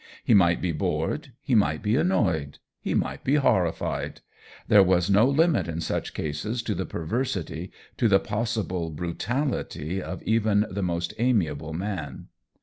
He might be bored, he might be annoyed, he might be horrified — there was no limit in such cases to the perversity, to the possible brutality of even the most amiable man.